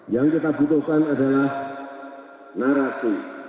yang kita butuhkan adalah narasi